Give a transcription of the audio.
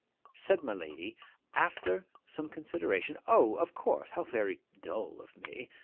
Said my lady, after some consideration, 'O, of course, how very dull of me!